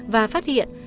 và phát hiện